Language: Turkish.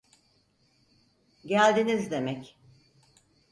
Geldiniz demek.